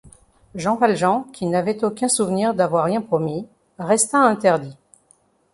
Jean Valjean, qui n’avait aucun souvenir d’avoir rien promis, resta interdit.